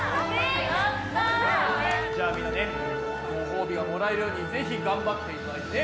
やった！じゃあみんなねごほうびがもらえるようにぜひ頑張っていただいてね。